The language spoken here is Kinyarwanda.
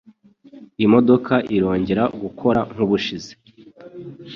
Imodoka irongera gukora nkubushize.